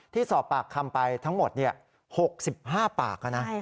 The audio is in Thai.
ที่สอบปากคำไปทั้งหมด๖๕ปากนะ